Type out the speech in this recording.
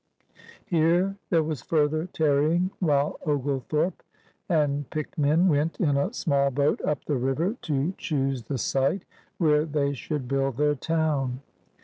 Here there was further tarrying while Oglethorpe and picked men went in a small boat up the river to choose the site where they should build their town.